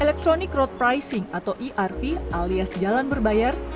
electronic road pricing atau erp alias jalan berbayar